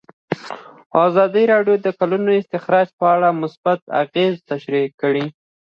ازادي راډیو د د کانونو استخراج په اړه مثبت اغېزې تشریح کړي.